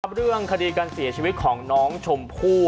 เรื่องคดีการเสียชีวิตของน้องชมพู่